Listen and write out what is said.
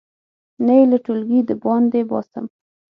نه یې له ټولګي د باندې باسم.